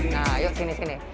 nah yuk sini sini